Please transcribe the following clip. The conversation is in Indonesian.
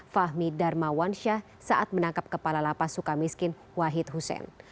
fahmi darmawansyah saat menangkap kepala lapa sukamiskin wahid hussein